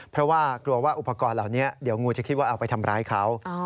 เพราะว่ากลัวว่าอุปกรณ์เหล่านี้เดี๋ยวงูจะคิดว่าเอาไปทำร้ายเขา